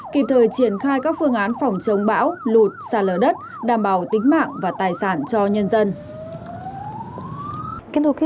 kịp thời triển khai các phương án phòng chống bão lụt sạt lở đất đảm bảo tính mạng và tài sản cho nhân dân